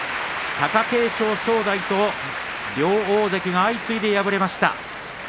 貴景勝、正代と両大関相次いで敗れました。